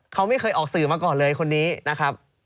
เขาไม่เคยออกสื่อมาก่อนเลยคนนี้นะครับ